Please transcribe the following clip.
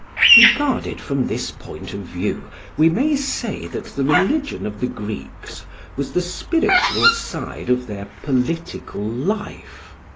Regarded from this point of view, we may say that the religion of the Greeks was the spiritual side of their political life.